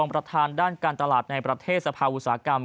ประธานด้านการตลาดในประเทศสภาอุตสาหกรรม